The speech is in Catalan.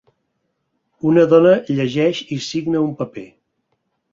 Una dona llegeix i signa un paper.